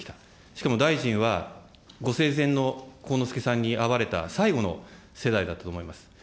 しかも大臣は、ご生前の幸之助さんに会われた世代だったと思います。